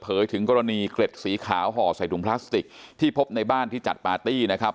ถึงกรณีเกล็ดสีขาวห่อใส่ถุงพลาสติกที่พบในบ้านที่จัดปาร์ตี้นะครับ